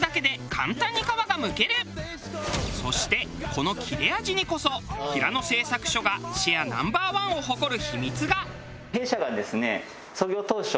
そしてこの切れ味にこそ平野製作所がシェアＮｏ．１を誇る秘密が。